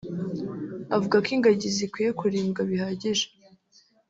Avuga ko ingagi zikwiye kurindwa bihagije